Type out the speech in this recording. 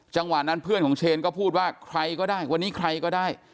จังหวะนั้นเพื่อนของเชนก็พูดว่าใครก็ได้วันนี้ใครก็ได้